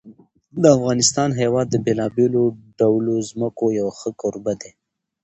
د افغانستان هېواد د بېلابېلو ډولو ځمکو یو ښه کوربه دی.